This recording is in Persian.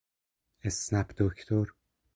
اسنپ دکتر